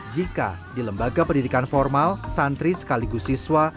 jika di lembaga pendidikan formal santri sekaligus siswa